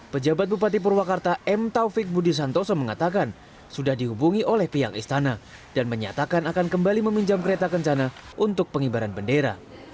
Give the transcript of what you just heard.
pejabat bupati purwakarta m taufik budi santoso mengatakan sudah dihubungi oleh pihak istana dan menyatakan akan kembali meminjam kereta kencana untuk pengibaran bendera